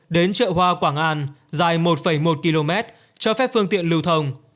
đến chợ hoa quảng an dài một một km cho phép phương tiện lưu thông